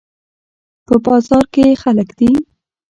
په بازار کې خلک دي